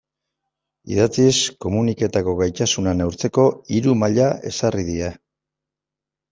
Idatziz komunikatzeko gaitasuna neurtzeko hiru maila ezarri dira.